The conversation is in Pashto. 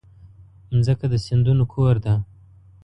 مځکه د سیندونو کور ده.